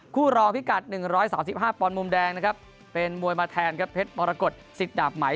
คู่รอพิกัด๑๒๕ปอนด์มุมแดงนะครับเป็นมวยมาแทนเพชรมรกฤตฤษฎาบไหม